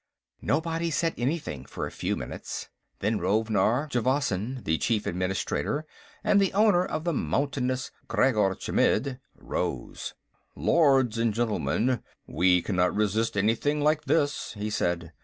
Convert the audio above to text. Nobody said anything for a few minutes. Then Rovard Javasan, the Chief of Administration and the owner of the mountainous Khreggor Chmidd, rose. "Lords and Gentlemen, we cannot resist anything like this," he said.